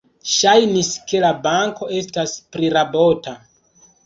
Ŝajnis, ke la banko estas prirabota.